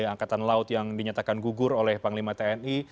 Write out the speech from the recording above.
angkatan laut yang dinyatakan gugur oleh panglima tni